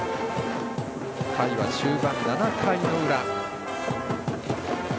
回は終盤７回の裏。